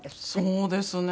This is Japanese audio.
そうですね。